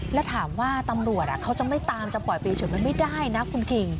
แล้วถามว่าตำรวจอ่ะเค้าจะไม่ตามจะปล่อยเปลี่ยนเฉยผ่านไม่ได้